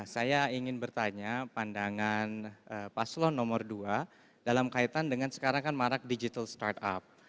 saya ingin bertanya pandangan paslon nomor dua dalam kaitan dengan sekarang kan marak digital startup